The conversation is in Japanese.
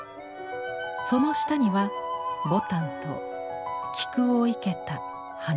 その下には牡丹と菊を生けた花車。